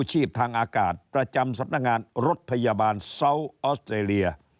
ชีพทางอากาศประจำสำนักงานรถพยาบาลซาวออสเตรเลีย